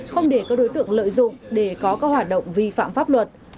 không để các đối tượng lợi dụng để có các hoạt động vi phạm pháp luật